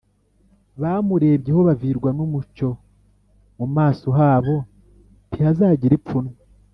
Bamurebyeho bavirwa n’umucyo, mu maso habo ntihazagira ipfunwe